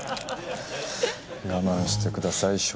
我慢してください。